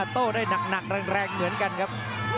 โต้ได้หนักแรงเหมือนกันครับ